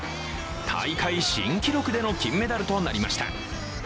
大会新記録での金メダルとなりました。